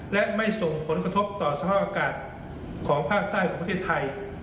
และไม่ส่งผลกระทบต่อสภาพอากาศของภาคใต้ของประเทศไทย